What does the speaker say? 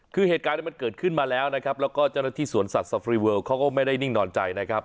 คือเหตุการณ์มันเกิดขึ้นมาแล้วนะครับแล้วก็เจ้าหน้าที่สวนสัตว์สรีเวิลเขาก็ไม่ได้นิ่งนอนใจนะครับ